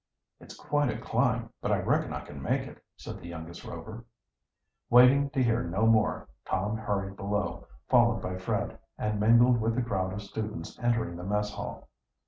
"It's quite a climb, but I reckon I can make it," said the youngest Rover. Waiting to hear no more, Tom hurried below, followed by Fred, and mingled with the crowd of students entering the mess hall.